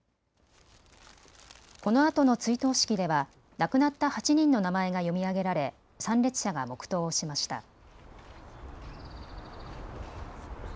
このあとの追悼式では亡くなった８人の名前が読み上げられ参列者が黙とうをしました。